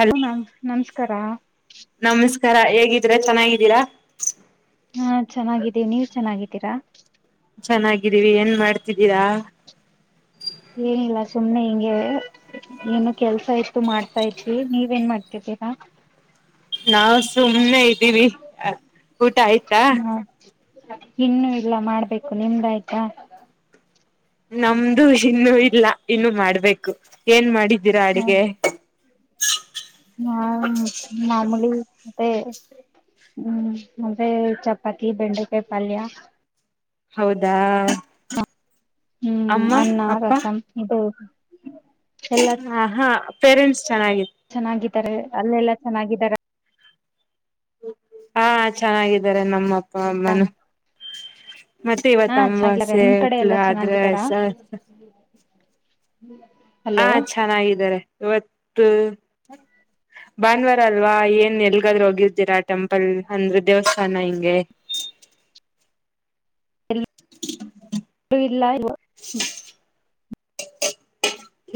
Hello how ನಾಮ್ ನಮಸ್ಕಾರ ತರ ಹೇಗಿದ್ದೀರಾ ಚೆನ್ನಾಗಿದ್ದೀರಾ. ಹಾ ಚೆನ್ನಾಗಿದ್ದೀವಿ ನೀವ್ ಚೆನ್ನಾಗಿದ್ದೀರಾ. ಚೆನ್ನಾಗಿದ್ದೀವಿ ಏನ್ ಮಾಡ್ತಿದ್ದೀರಾ. ಏನಿಲ್ಲ ಸುಮ್ನೆ ಹಿಂಗೆ ಏನು ಕೆಲ್ಸ ಇತ್ತು ಮಾಡ್ತಾ ಇತ್ವಿ ನೀವ್ ಏನ್ ಮಾಡ್ತಿದ್ದೀರಾ. ನಾವ್ ಸುಮ್ಮನೆ ಇದ್ದೀವಿ ಊಟ ಆಯ್ತಾ. ಹ ಇನ್ನು ಇಲ್ಲ ಮಾಡ್ಬೇಕು ನಿಮ್ದ ಆಯ್ತಾ. ನಮ್ದು ಇನ್ನು ಇಲ್ಲಾ ಇನ್ನು ಮಾಡ್ಬೇಕು ಏನ್ ಮಾಡಿದ ದಾರ ಹ ಅಡಿಗೆ [inaudible] ಮಾಮೂಲಿ ಮತ್ತೆ ಹ್ಮ್ ಮತ್ತೆ ಚಪಾತಿ ಬೆಂಡಕಾಯಿ ಪಲ್ಯಾ. ಹೌದಾ ಹ್ಮ್ ಅಮ್ಮ ಅನ್ನ, ರಸಂ ಇದು ಎಲ್ಲಾ ಆ ಹಾ. ಪೇರೆಂಟ್ಸ್ ಚೆನ್ನಾಗಿದೆ. ಚೆನ್ನಾಗಿದ್ದಾರೆ ಅಲ್ಲೆಲ್ಲ ಚೆನ್ನಾಗಿದ್ದಾರ ಹಾ ಚೆನ್ನಾಗಿದ್ದಾರೆ ನಮ್ಮ ಅಪ್ಪ ಬಂದಾನ್ ಮತ್ತೆ ಹಾ ಇವತ್ ಚೆನ್ನಾಗಿದ್ದಾರೆ ಅಮವಾಸೆ ನಿಮ್ ಕಡೆ ಎಲ್ಲಾ ಆದ್ರೆ ಚೆನ್ನಾಗಿದ್ದಾರಾ ಸರ್ [inaudible] ಹಾ ಚೆನ್ನಾಗಿದ್ದಾರೆ. ಇವತ್ತ್ ಭಾನುವಾರ ಅಲ್ವಾ ಏನ್ ಎಲ್ಗಾದ್ರೂ ಹೋಗಿರ್ತಿರಾ ಟೆಂಪಲ್ ಅಂದ್ರೆ ದೇವಸ್ಥಾನ ಹಿಂಗೆ. ಇಲ್ಲಾ [unintelligible]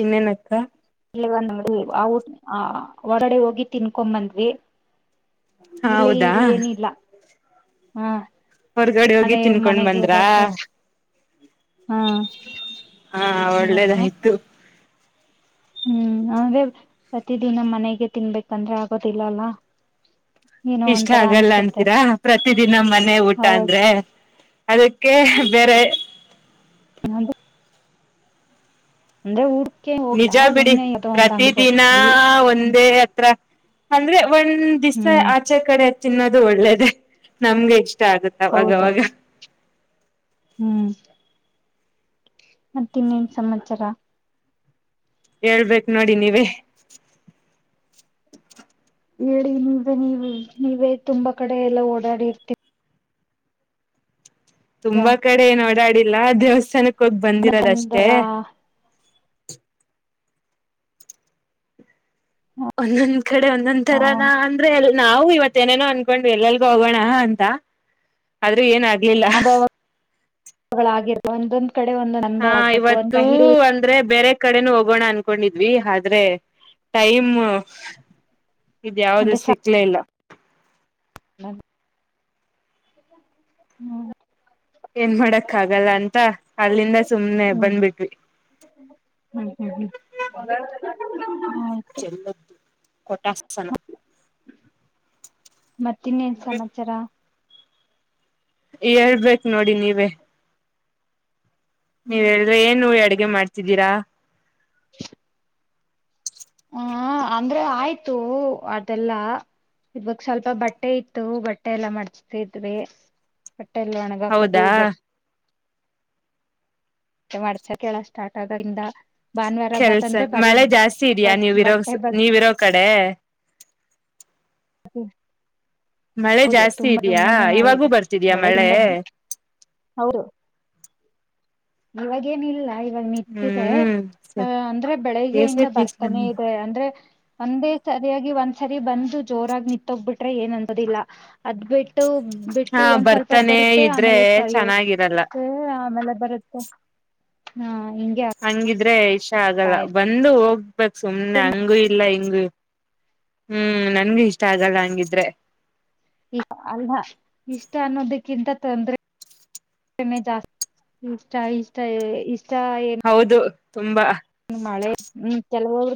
ಇನ್ನೇ ನಕ್ಕಾ. ಇವಾಗ ನೋಡಿ ಆ ಊಟ ಆ ಹೊರಗಡೆ ಹೋಗಿ ತಿನ್ಕೊ ಬಂದ್ವಿ. ಹೌದಾ ಹ್ಮ ಹೊರಗಡೆ ಹೋಗಿ ತಿನ್ಕೊಂಡ್ ಬಂದ್ರಾ ಹಾ ಹಾ ಇವತ್ತು ಒಳ್ಳೇದಾಯ್ತು. ಹ್ಮ್ ಹಂಗೆ ಪ್ರತಿದಿನ ಮನೆಗೆ ತಿನ್ಬೇಕಂದ್ರೆ ಆಗೋದಿಲ್ಲಾ ಅಲ್ವಾ. ಇಷ್ಟ ಆಗಲ್ಲ ಅಂತೀರಾ ಪ್ರತಿದಿನ ಮನೆ ಊಟ ಹೌದ್ ಅಂದ್ರೆ. ಅದಕ್ಕೆ ಬೇರೆ ನಾನು ನಂದೇ ಊರು. ನಿಜ ಬಿಡಿ ಪ್ರತಿ ದಿನ ಹೋಗಿದ್ವಿ ಒಂದೇ ಹತ್ರ ಅಂದ್ರೇ ಒಂದ್ ದಿವಸ ಹ್ಮ್ ಆಚೆ ಕಡೆ ತಿನ್ನೋದು ಒಳ್ಳೇದೆ ನಮ್ಗೆ ಇಷ್ಟ. ಇಷ್ಟ ಆಗುತ್ತ ಹೌದು ಅವಾಗವಾಗ. ಹ್ಮ್ ಮತ್ತ ಇನ್ನೇನ್ ಸಮಾಚಾರ ಹೇಳ್ಬೇಕು ನೋಡಿ ನೀವೇ ಹೇಳಿ ನೀವ ನೀವು ನೀವೇ ತುಂಬಾ ಕಡೆ ಎಲ್ಲ ಓಡಾಡಿರ್ತೀರಿ ತುಂಬಾ ಕಡೆ ಏನ್ ಓಡಾಡಿ ಲ್ಲ ದೇವಸ್ಥಾನಕ್ಕೆ [inaudible] ೋಗ ಬಂದಿರೋದಷ್ಟೇ ಮತ್ತೊಂದರ ಹ ಒಂದೊಂದ್ ಕಡೆ ಒಂದೊಂದ್ ತರಾನ ಅಂದ್ರೆ ನಾವು ಇವತ್ತೇಏನೇನೋ ಅನ್ಕೊಂಡ್ವಿ ಎಲ್ಲಲ್ಗ ಹೋಗೋಣ ಅಂತ ಆದ್ರೂ ಏನ್ ಆಗ್ಲಿಲ್ಲ ಗಳಾಗಿರುವ ಒಂದೊಂದು ಹಾ ಇವತ್ತುೂ ಅಂದ್ರೆ ಬೇರೆ ಕಡೆನ ಹೋಗೋಣ ಅನ್ಕೊಂಡಿದ್ವಿ ಆದ್ರೆ ಟೈಮ್ ಇದ ಯಾವ್ದ ಸಿಕ್ಲೇ ಇಲ್ಲ ಹ ಹ್ಮ ಏನ್ ಮಾಡಕ್ ಆಗಲ್ಲ ಅಂತ ಅಲ್ಲಿಂದ ಸುಮ್ನೆ ಹ್ಮ್ ಬಂದಬಿಟ್ವಿ ಹ ಚೆಲ್ಲದ್ದು ಕೊಟಾಸನ ಮತ್ತಿನ್ನೇನ್ ಸಮಾಚಾರ ಹೇಳ್ಬೇಕು ನೋಡಿ ನೀವೇ ನೀವ ಹೇಳಿದ್ರೆ ಏನ್ ಅಡ. ಮಾಡ್ತಿದ್ದೀರಾ. [inaudible] ಹಾ ಅಂದ್ರೆ ಆಯ್ತು ಅದೆಲ್ಲಾ ಇವಾಗ ಸ್ವಲ್ಪ ಬಟ್ಟೆ ಇತ್ತು ಬಟ್ಟೆ ಎಲ್ಲಾ ಮಾಡಡ್ಸ್ತಿದ್ವಿ. ಬಟ್ಟೆೆಯಲ್ಲಿ ಒಣಗಾ ಕದು ಹೌದಾ. ಬಟ್ಟ. ಮತ್ತೆ ಮರ್ಚಕೇಳ ಸ್ಟಾರ್ಟ್ ಆಗದಿಂದ. ಕೆಲ್ಸ ಮಳೆ ಜಾಸ್ತಿ ಇದ್ಯಾ ಬಟ್ ನೀವ ಇರೋ ಬಟ್ಟೆ ಬಗ್ಗೆ ನೀವರೋ ಕ. [inaudible] ಹ. ಮಳೆ ಜಾಸ್ತಿ ಇದ್ಯಾಾ ಮಾಡಿ ಇವಾಗೂ ಬರ್ತಿದ್ಯಾ ಮಳೆ. ಬೆಳಗಿಂದ ಇವಾಗೇನ ಇಲ್ಲ. ಇವಾಗ ನಿಂತಿದೆ ಹ್ಮ್ ಅಹ ಅಂದ್ರೆ ಬೇಸೆ ಬೆಳಿಗ್ಗೆಯಿಂದ ಪೀಸ್ ಬರ್ತಾನೆ ಇದೆ ಅಂದ್ರೆ. ಒಂದೇ ಸರಿಯಾಗಿ ಒಂದ್ಸರಿ ಬಂದ. ಜೋರಾಗಿ ನ ನಿಂತೋಗ್ಬಟ್ಟು. ಏನ್ಂತದಿಲ್ಲ ಅದ್ ಬಿಟ್ಟು. ಹಾ ಬಿಟ್ಟು ಒಂದ್ ಸ್ವಲ್ಪದ್ ಬರ್ತಾನೆ ಬರುತ್ತೆ ಇದ್ರೆ ಆಮೇಲೆ ಸರಿ ಚೆನ್ನಾಗಿರಲ್ಲ ಆಮೇಲೆ. ಬರ. ಹಾ. ಹಂಗಿದ್ರೆ. ಷ್ಟ ಆಗ್ತಾ ಆಗಲ್ಲ ಇ ಬಂದು ಹೋಗ. ಹಕ್ ಸು್ನೆ ಹಂಗೂ ಇಲ್ಲ ಹಂಗ. ಹ ಹ್ಮ್ ನನ್ಗೆ ಇಷ್ಟ ಆಗಲ್ಲ ಹಂಗಿದ್ರೆ. ಇ ಅಲ್ಲ ಇಷ್ಟ ಅನ್ನೋದಕ್ಕಿಂತ ತೊಂದ್ರೆ ಜಾಸ್ತಿ ಇಷ್ಟ ಇಷ್ಟ ಇಷ್ಟ. ಏನು ಹೌದು. ತುಂಬಾ. ಮಳೆ ಹ್ಮ ಕೆಲವೊರು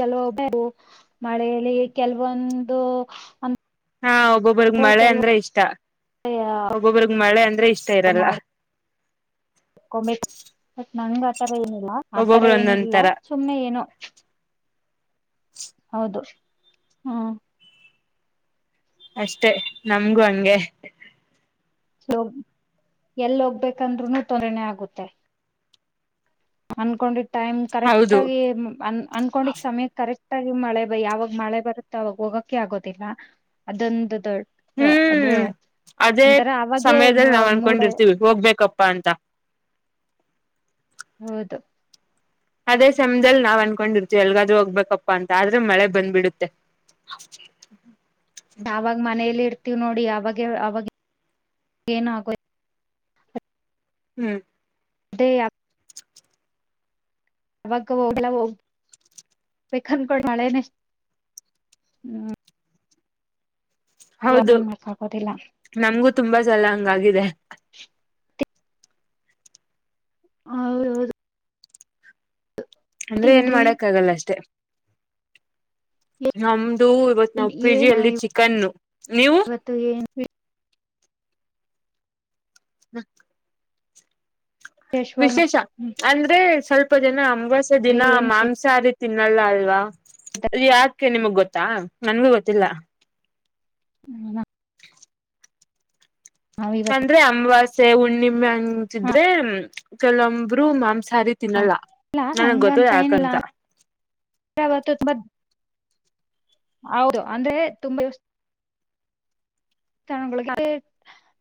ಕೆಲವೊ ಮಳೆಯಲ್ಲಿ ಕೆಲವೊಂದು. ಹಾ ಒಬ್ಬೊಬ್ರಗ್ ಮಳೆ ಅಂದ್ರೆ ಇಷ್ಟ ಒಬ್ಬೊಬ್ಬ್ರಗ್ ಮಳೆ ಅಂದ್ರೆ ಇಷ್ಟ ಇರಲ್ಲ. ಂಬಿ ಬಟ್ ನಂಗ ಆಥರ ಏನಿಲ್ಲ ಆತರ ಒಬ್ಬೊಬ್ರು ಒಂದೊಂದ್ ಏನಿಲ್ಲ ತರ ಸುಮ್ಮನೆ ಏನು. ಹೌದು. ಹಾ. ಅಷ್ಟೆ ನಮ್ಗೂ ಹಂಗೆ. ೋಗ ಎಲ್ಲ ಹೋಗ್ಬೇಕಂದ್ರುನು ತತ್ೋರಣೆ ಆಗುತ್ತೆ. ಅನ್ಕೊಂಡಿ. ಟೈಮ್ ಕರೆಕ್ಟ್ ಹೌದು ಆಗಿ ಅನ್ಕೊಂಡಿದ ಸಮಯ ಕರೆಕ್ಟ್. ಾಗಿ ಮಳೆ ಯಾವಾಗ ಮಳೆ ಬರುತ್ತೋ ಅವಾಗ ಹೋಗಕ್ಕೆ ಆಗೋದಿಲ್ಲ ಅದೊಂದುೊ. ಹ್ಮ್ ಅದೇ ಅವಾಗೆ ಸಮಯದಲ್ಲಿ ನಾವ್ ಮೂಡ ಅನ್ಕೊಂಡಿರ್ತೀವಿ ಹೋಗ್ಬೇಕಪ್ಪಾ ಅಂತ ಹೌದು ಅದೇ ಸಮ್ದಲ್ ನಾವ್ ಅನ್ ಕಕೊಂಡಿರ್ತ ಎಲ್ಗಾದ್ೂ ಹೋಗ್ಬೇಕಪ್ಪಾ ಅಂತ ಆದ್ರೆ ಮಳೆ ಬಂದ್ಬಿಡುತ್ತೆ ಯಾವಾಗ ಮನೇಲಿ ಇಡ್ತವಿ ್ ನೋಡಿ ಅವಾಗ ಅವಾಗ ಏನ್ ಹಕ ಹ್ಮ್ ಅದೇ ಅವಾಗ ಹಲ್ಲ ಹೋಗ ಬಕ ಮಳೆನೆೇ ಹ್ಮ್ ಹೌದು ಮಾಡಕ್ ಆಗೋದಿಲ್ಲ ನಮ್ಗೂ ತುಂಬಾ ಸಲ ಹಂಗಾಗಿದೆ ಹೌದ ಹೌದು ಅಂದ್ರೆ ಏನ್ ಮಾಡಕ್ ಆಗಲ್ಲ ಅಷ್ಟೇ ನ ಇದು ಇವತ್ ಏನ್ ನಾಲ್ಕು ಕೆ ಜಿ ಏನ್ ಅಲ್ಲಿ ಚಿಕನ್ನು ನೀವು ಇವತ್ತು ಏನ್ ಹ್ಮ ವಿಶೇಷವಾಗಿ ವಿಶೇಷ ಅಂದ್ರೆ ಸ್ವಲ್ಪ ನ ವಸ ಬರೀ ದಿನ ಏನ್ ವಿಶೇಷ ಮಾಂಸತಿ ತಿನ್ನಲ್ಲ ಅಲ್ವಾ ಅದು ಯಾಕೆ ನಿಮಗ್ ಗೊತ್ತಾ ನನ್ಗೂ ಗೊತ್ತಿಲ್ಲ ನಾವ್ ಇವತ್ತು ಅಂದ್ರೆ ಅಮಾಸ್ಯೆ ಹುಣ್ಣಿಮೆ ಹ ಅಂತಿದ್ರೆ ಚಲಂಬೂ ಮಾಂಸ ಹಾ ಇಲ್ಲಾ ಹಂಗಂತ ಯಾಕಂತ ಏನಿಲ್ಲತ್ತುುಂಬ ಹೌದು ಅಂದ್ರೆ ತುಂಬ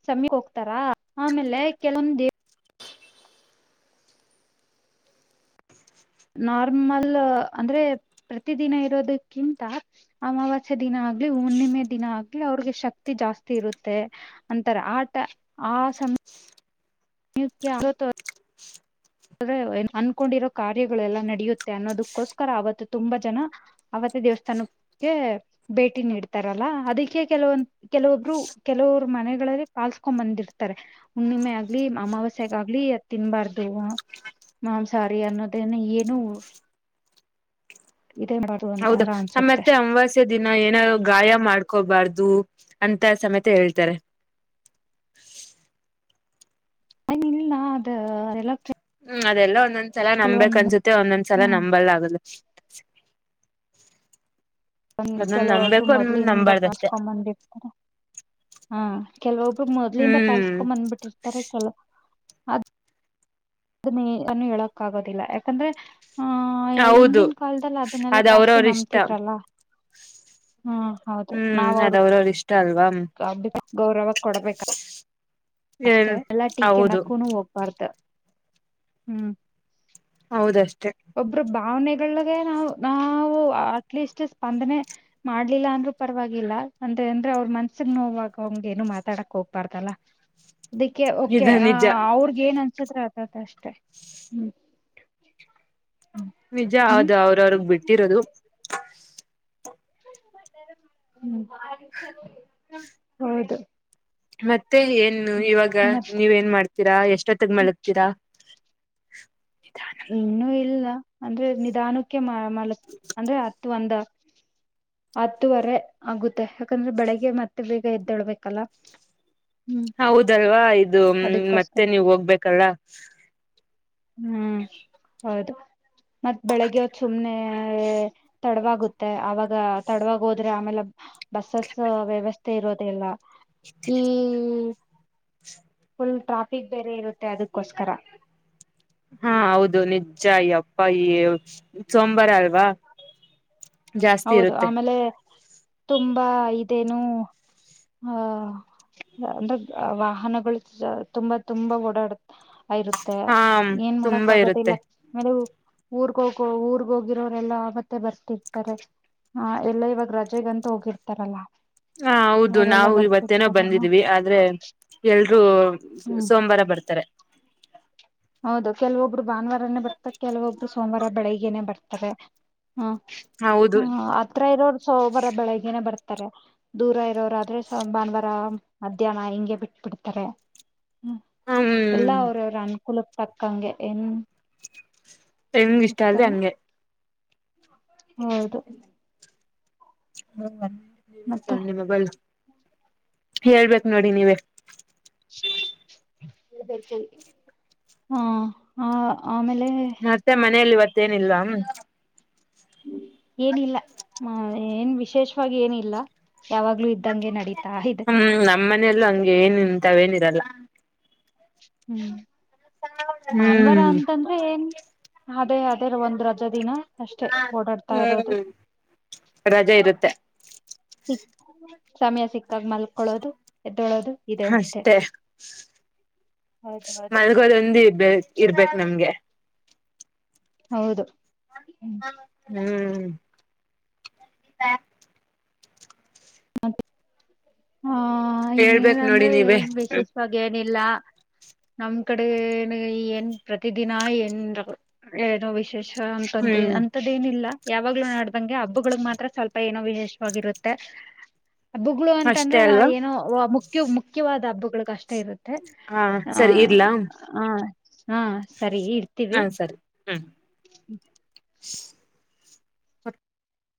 ಸಮಯಪ ಹೋಗ್ತಾರಾ ಆಮೇಲೆ ಕೆಲವೊಮ್ಮ ದೇ ನಾರ್ಮಲ್ ಅಂದ್ರೆ ಪ್ರತಿ ದಿನ ಇರೋದಕ್ಕಿಂತ ಅಮಾವಾಸ್ಯ ದಿನ ಆಗ್ಲಿ ಹುಣ್ಣಿಮೆ ದಿನ ಆಗ್ಲಿ ಅವ್ರಿಗೆ ಶಕ್ತಿ ಜಾಸ್ತಿ ಇರುತ್ತೆ ಅಂತಾರೆ ಆಟ ಆ ಸಮ ನೀವು ಕ ಹದತ ಆದ ಅನ್ಕೊಂಡಿರೋ ಕಾರ್ಯಗಳುೆಲ್ಲಾ ನಡೆಯುತ್ತೆ ಅನ್ನೋದಕ್ಕೋಸ್ಕರ ಅವವತ್ತು ತುಂಬಾ ಜನ ಅವವತ್ತ ದೇವಸ್ಥಾನಕ್ಕೆ ಭೇಟಿ ನೀಡ್ತಾರಲ್ಲಾ ಅದಕ್ಕೆ ಕೆಲವೊ ಕೆಲವೊಬ್ರು ಕೆಲವರು ಮನೆಗಳಲ್ಲಿ ಪಾಲ್ಸ್ಕೊಂಡ್ ಬಂದಿರ್ತಾರೆ ಹುಣ್ಣಿಮೆ ಆಗ್ಲಿ ಅಮಾವಾಸ್ಯಗಾಗ್ಲಿ ತಿನ್ಬಾರ್ದು ನನ್ ಸಾರಿ ಅನ್ನೋದನ್ನು ಏನು ಇದೇ ಮಾಡಬಾರ್ದು ಹೌದಾ ಅಂತಾರ ಅನ್ಸುತ್ತೆ ನತ್ತೆ ಅಮವಾಸ್ಯ ದಿನ ಏನಾದ ಗಾಯ ಮಾಡ್ಕೋಬಾರ್ದು ಅಂತ ಸಮೇತ ಹೇಳ್ತಾರೆ ಏ ಇಲ್ಲ ಅದ ಎಟ್ರ ಹ ಅದೆಲ್ಲ ಒಂದ ಒಂದ್ ಸಲ ನಂಬ್ಬೇಕಕ್ ಅನ್ಸುತ್ತೆ ಒಂದೊಂದ್ಲ ಹ್ಮ್ ನಂಬಲ್ ಆಗದು [inaudible] ಒಂದ ಕೆಲವೊಬ್ರು ಮೊದ್ಲಿಂದ ಪಲ್ಸ್ಕೊ ಬಂದಿರ್ತಾರೆ ಹಾ ಕೆಲವೊಬ್ರು ಮೊದ್ಲಿಂದ ಹ್ಮ್ ಪಲ್ಸ್ಕೊ ಬಂದ್ಬಿಟ್ಟಿರ್ತಾರೆ ಕೆಲ ಅದ ಅದನ್ನೇ ಅನ್ನು ಹೇಳಕ್ ಆಗೋದಿಲ್ಲ ಯಾಕಂದ್ರೆ ಹ ಹೌದು ಹಿಂದಿನ ಕಾಲದಲ್ಲಿ ಅದನ್ನೆಲ್ಲಾ ಅದ್ ಜಾಸ್ತಿ ಅವ್ರವ್ರ ಇಷ್ಟ ನಂಬ್ತಿದ್ರಲ್ಲ ಹ್ಮ್ ಹ್ಮ್ ಅದ ಅವ್ರ ಅವ್ರ ಇಷ್ಟ ಅಲ್ವಾ ಅ ಗೌರವ ಕೊಡ್ಬೇಕ ಏನ್ ಅಷ್ಟೆ ಎಲ್ಲಾ ಟೀಕೆ ಹೌದು ಮಕ್ಕುನು ಹೋಗ್ಬಾರ್ದು ಹ್ಮ್ ಹೌದಷ್ಟೇ ಒಬ್ರು ಭಾವನೆ ಗೆ ನಾವ್ ನಾವು ಅಟ್ಲೀಸ್ಟ್ ಸ್ಪಂದನೆ ಮಾಡ್ಲಿಲ್ಲ ಅಂದ್ರರು ಪರವಾಗಿಲ್ಲ ಅಂತ ಅಂದ್ರೆ ಅವ್ರ ಮನ್ಸಗ್ ನೋವಾಗ ಅವಮ್ಗೆ ಏನು ಮಾತಾಡಕ್ ಹೋಗ್ಬಾರ್ದಲ್ಲ ಅದಕ್ಕೆ ಕೆ ಇದು ಆ ನಿಜ ಅವ್ರಗ ಏನ್ ತ್ರ ಆತತ ಅಷ್ಟೇ ಹ್ಮ್ ಹ್ಮ್ ನಿಜ ಹ್ಮ್ ಹೌದು ಅವ್ರ ಅವ್ರಗ್ ಬಿಟ್ಟಿರೋದು ಹ್ಮ ಹೌದು ಮತ್ತೆ ಮತ್ತೆ ಏನು ಇವಾಗ ಹ್ಮ್ ಮತ್ತ ನೀವ ಏನ್ ಮಾಡ್ತೀರಾ ಎಷ್ಟೊತ್ತಗ ಮಲಗ್ತೀರಾ [inaudible] ಇನ್ನುೂ ಇಲ್ಲ ಅಂದ್ರೆ ನಿಧಾನಕ್ಕೆ ಲ್ ಅಂದ್ರೆ ಹತ್ತು ಒಂದ ಹತ್ತುವರೆ ಆಗುತ್ತೆ ಯಾಕಂದ್ರೆ ಬೆಳಿಗ್ಗೆ ಮತ್ತೆ ಬೇಗ ಎದ್ದೊಳ್ಬೇಕಲ್ಲ ಹೌದಲ್ವಾ ಇದು ಮತ್ತೆ ಅದಕ್ಕೋಸ್ಕರ ನೀವ ಹೋಗ್ಬೇಕಲ್ಲ ಸ ಹ್ಮ್ ಹೌದು ಮತ್ತತ್ ಬೆಳಿಗ್ಗೆ ಸುಮ್ನೆ ತಡವಾಗುತ್ತೆ ಆವಾಗ ತಡವಾಗಿ ಹೋದ್ರೆ ಆಮೇಲೆ ಬಸ್ಸಸ್ ವ್ಯವಸ್ಥೆ ಇರೋದೆಲ್ಲ ಹ್ಮ್ ಫುಲ್ ಟ್ರಾಫಿಕ್ ಬೇರೆ ಇರುತ್ತೆ ಅದಕ್ಕೋಸ್ಕರ ಹಾ ಹೌದು ನಿಜ್ಜ ಅ ಅಪ್ಪ ಈ ಸೋಂವಾರ ಅಲ್ವಾ ಜಾಸ್ತಿ ಹೌದು ಇರುತ್ತೆ ಆಮೇಲೆ ತುಂಬಾ ಇದೇನು ಆ ಅಂದ್ರೆ ವಾಹನಗಳು ತುಂಬಾ ತುಂಬಾ ಓಡಾಡುತ್ತೆ ಇರುತ್ತೆ ಹಾ ಏನ್ ಮಾಡಕ್ ತುಂಬಾ ಆಗೋದಿಲ್ಲ ಇರುತ್ತೆ ಆಮೇಲೆ ಊರ್ಗ ಹೋಗೋ ಊರ್ಗ್ ಹೋಗಿರೋರೆಲ್ಲಾ ಆ ಮತ್ತೆ ಬರ್ತಿವಿ ಆ ಎಲ್ಲ ಇವಾಗ ರಜೆಗಂತೂ ಹೋಗಿರ್ತಾರಲ್ಲ ಹಾ ಹೌದು ಅವಾಗೆಲ್ಲಾ ನಾವು ಇವತ್ತೇನೋ ಬರ್ತಿರ್ತಾರಲ್ಲ ಬಂದಿದೀವಿ ಆದ್ರೆ ಎಲ್ರೂ ಹ್ಮ್ ಸೋಮವಾರ ಬರ್ತಾರೆ ಹೌದು ಕೆಲವೊಬ್ರು ಭಾನುವಾರನೇ ಬರ್ತಾ ಕೆಲವೊಬ್ರು ಸೋಮವಾರ ಬೆಳಿಗ್ನೆ ಬರ್ತಾರೆ ಹ್ಮ ಹೌದು ಹ ಅತ್ರ ಇರೋರು ಸೋಬರ ಬೆಳಗ್ನೆೇ ಬರ್ತ ದೂರ ಇರೋರ ಆದ್ರೆ ಭಾನುವಾರ ಮಧ್ಯಾಹ್ನ ಹಿಂಗೆ ಬಿಟ್ಬ ಬಿಡ್ತಾರೆ ಹ್ಮ ಹ್ಮ್ ಎಲ್ಲಾ ಅವರವರು ಅನ್ ಕುಲಪ್ ತಕ್ಕಂಗೆ ಏನ್ ಹೆಂಗ ಇಷ್ಟ ಅದೆ ಇರ್ತಾರೆ ಹಂಗೆ ಹೌದು ಹ್ಮ್ ಮತ್ತೆ ಚ ಮ ಬಲ್ ಹೇಳ್ಬೇಕ ನೋಡಿ ನೀವೇ ಹಾ ಹ ಮತ್ತೆ ಮನೇೆಯಲ್ಲಿ ಇವತ್ತು ತ್ತೇನಿಲ್ಲ ಏನಿಲ್ಲ ಏನ್ ವಿಶೇಷವಾಗಿ ಏನಿಲ್ಲ ಯಾವಾಗ್ಲೂ ಇದ್ದಂಗೆ ನಡೀತಾ ಇದೆ ಅ ತಾವೇನಿರಲ್ಲ ಹ್ಮ್ ಮಾನ್ವರ ಹ್ಮ್ ಅಂತಂದ್ರೆ ಏನ್ ಅದೇ ಅದೇ ರ ಒಂದ್ ರಜಾ ದಿನ ಅಷ್ಟೇ ಹಾ ಓಡಾಡ್ತಾ ಇರೋದು ಹ್ಮ್ ರಜೆ ಇರುತ್ತೆ ಸಿ ಸಮಯ ಸಿಕ್ಕಾಗ ಮಲ್ಕೊಳ್ಳೋದು ಎ ಅಷ್ಟೆ ಹೌದು ಹೌದು ಮಲ್ಗೋದೊಂದು ಇಬ ಇರ್ಬೇಕು ನಮ್ಗೆ ಹೌದು ಹ್ಮ್ ಹ್ಮ ಇ ಹ ಹೇಳ್ಬೇಕು ನೋಡಿ ಇನ್ನೇನಂದ್ರೆ ನೀವೇ? ಏನ್ ವಿಶೇಷವಾಗಿ ನಮ್ ಕಡೆ ಏನೋ ಪ್ರತಿ ದಿನ ವಿಶೇಷ ಇಲ್ಲ...? ಅಂತ ಹ್ಮ್ ಅಂತದೇನಿಲ್ಲ? ಯಾವಾಗ್ಲೂ ನಡ್ದಂಗೆ ಹಬ್ಬಗಳಗ್ ಮಾತ್ರ ಸ್ವಲ್ಪ ಏನೋ ವಿಶೇಷವಾಗಿರುತ್ತೆ. ಬುಗ್ಲು ಅಷ್ಟೇ ಅಂತಂದ್ರೆ ಅಲ್ವಾ ಏನೋ ಮು.? ಎಷ್ಟು ಮುಖ್ಯವಾದ ಹಬ್ಬಗಳು? ಎಷ್ಟ ಇರುತ್ತೆ ಹಾ ಹ.. ಸರಿ ಇರ್ಲಾ ಹ..? ಹಾ.... ಸರಿ ಇರ್ತೀವಿ... ಹಾ ! ಸರಿ ಹ್ಮ್.. ಹ್ಮ.. [inaudible]